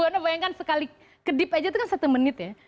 karena bayangkan sekali kedip aja itu kan satu menit ya